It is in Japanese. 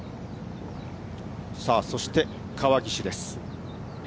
さあ、そして川岸です。